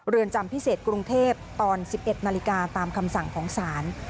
จำพิเศษกรุงเทพตอน๑๑นาฬิกาตามคำสั่งของศาล